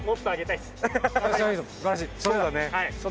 はい。